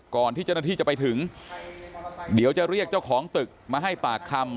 ก่อนที่เจ้าหน้าที่จะไปถึงเดี๋ยวจะเรียกเจ้าของตึกมาให้ปากคำ